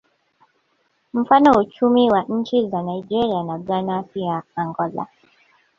Mfano uchumi wa nchi za Nigeria na Ghana pia Angola